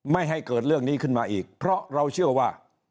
ไม่ให้เกิดเรื่องนี้ขึ้นมาอีกเพราะเราเชื่อว่า